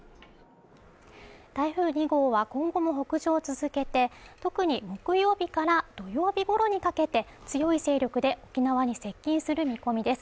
台風２号は今後も北上を続けて特に木曜日から土曜日ごろにかけて強い勢力で沖縄に接近する見込みです。